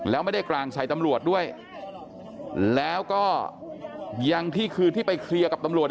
แล้วไม่ได้กลางใส่ตำรวจด้วยแล้วก็ยังที่คือที่ไปเคลียร์กับตำรวจ